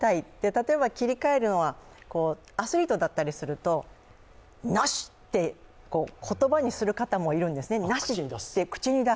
例えば切り替えるのはアスリートだったりするとなし！って言葉にする方もいるんですね。